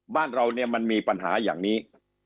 บ้านเราเนี่ยมันมีปัญหาอย่างนี้